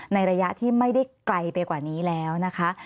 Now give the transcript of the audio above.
ในระยะที่ไม่ได้ไกลไปกว่านี้แล้วนะคะ